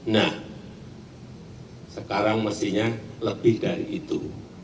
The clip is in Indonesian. nah sekarang mestinya lebih dari itu